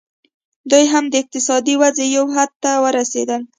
دوی هم د اقتصادي ودې یو حد ته ورسېدل